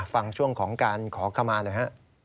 ช่วงของการขอขมาหน่อยฮะ